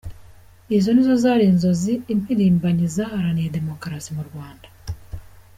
Izo nizo zari inzozi impirimbanyi zaharaniye Demukarasi mu Rwanda.